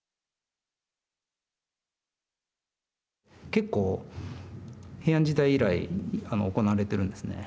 結構平安時代以来行われてるんですね。